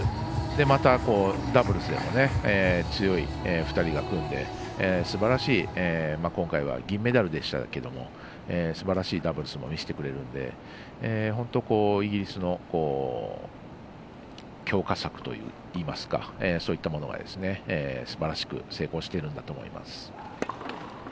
またダブルスでは強い２人が組んで今回は銀メダルでしたけどもすばらしいダブルスも見せてくれるのでイギリスの強化策といいますかそういったものは、すばらしく成功してるんだと思います。